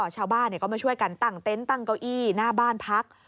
ชาวบ้านก็มาช่วยกันตั้งเต็นต์ตั้งเก้าอี้หน้าบ้านพัก